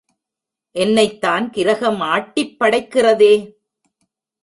என்னைத் தான் கிரகம் ஆட்டிப் படைக்கிறதே.